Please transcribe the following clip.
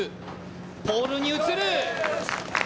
ポールに移る。